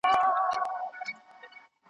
نه ښکاریانو سوای په دام کي اچولای .